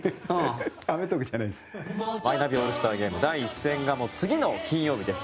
清水：マイナビオールスターゲーム、第１戦が次の金曜日です。